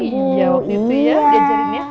iya waktu itu ya diajarinnya